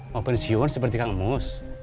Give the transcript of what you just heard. mau pensiun seperti kang mus